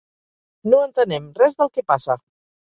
No entenem res del que passa.